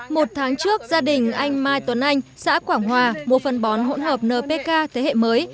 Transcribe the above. một tháng trước gia đình anh mai tuấn anh xã quảng hòa mua phân bón hỗn hợp npk thế hệ mới